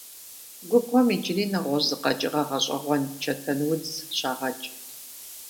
Губгъуэм иджыри нэгъуэщӀ зы къэкӀыгъэ гъэщӀэгъуэн – чэтэнудз - щагъэкӀ.